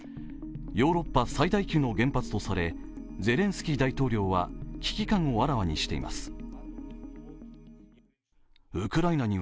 ヨーロッパ最大級の原発とされゼレンスキー大統領は危機感をあらわにしています。